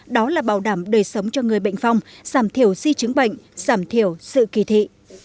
đó là bảo đảm đời sống cho người bệnh phong giảm thiểu di chứng bệnh giảm thiểu sự kỳ thị